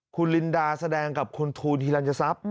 คุณลินดาแสดงกับคุณทูลฮิลัญทรัพย์